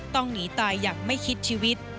ต้องหนีตายอย่างไม่คิดชีวิต